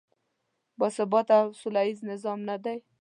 باثباته او سولیز نظام نه دی.